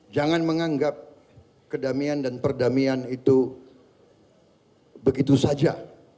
jangan menganggap kedamaian dan perdamaian itu begitu saja